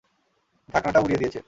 ঢাকনাটা উড়িয়ে দিয়েছে।